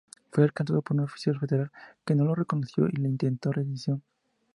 Fue alcanzado por un oficial federal que no lo reconoció y le intimó rendición.